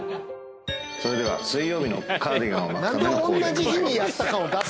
それでは水曜日のカーディガンを巻くための。